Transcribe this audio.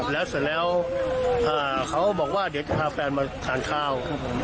แล้วเสร็จแล้วเขาบอกว่าเดี๋ยวจะพาแฟนมาทานข้าว